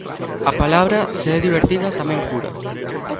A palabra, se é divertida, tamén cura.